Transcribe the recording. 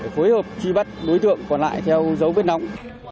phối hợp truy bắt đối tượng còn lại theo dấu vết nóng